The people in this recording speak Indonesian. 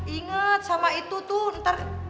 ingat sama itu tuh ntar